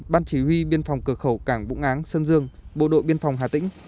ban chỉ huy biên phòng cửa khẩu cảng vũng áng sơn dương bộ đội biên phòng hà tĩnh